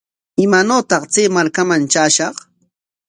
¿Imaanawtaq chay markaman traashaq?